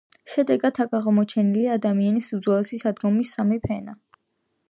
შედეგად აქ აღმოჩენილია ადამიანის უძველესი სადგომის სამი ფენა.